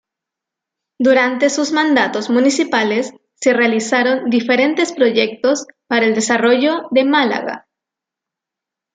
Durante sus mandatos municipales se realizaron diferentes proyectos para el desarrollo de Málaga.